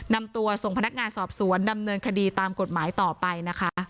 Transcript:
นำตัวส่งพนักงานสอบสวนดำเนินคดีตามกฎหมายต่อไปนะคะ